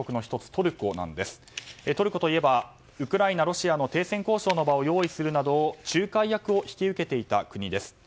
トルコといえばウクライナ、ロシアの停戦交渉の場を用意するなど仲介役を引き受けていた国です。